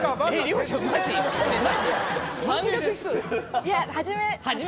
いや初め。